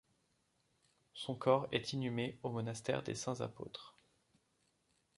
Son corps est inhumé au monastère des Saints-Apôtres.